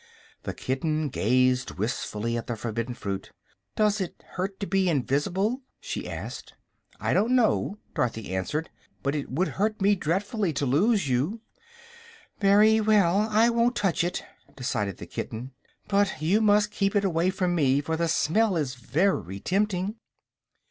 The kitten gazed wistfully at the forbidden fruit. "Does it hurt to be invis'ble?" she asked. "I don't know," Dorothy answered; "but it would hurt me dre'fully to lose you." "Very well, I won't touch it," decided the kitten; "but you must keep it away from me, for the smell is very tempting."